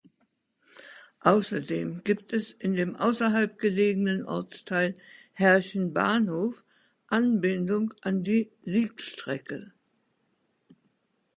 Außerdem gibt es in dem außerhalb gelegenen Ortsteil Herchen-Bahnhof Anbindung an die Siegstrecke.